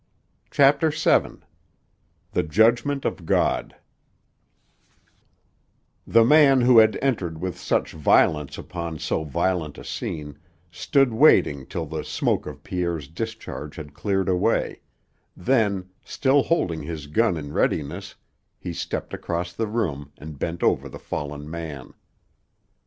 CHAPTER VII THE JUDGMENT OF GOD The man who had entered with such violence upon so violent a scene, stood waiting till the smoke of Pierre's discharge had cleared away, then, still holding his gun in readiness, he stepped across the room and bent over the fallen man.